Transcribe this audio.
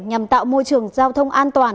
nhằm tạo môi trường giao thông an toàn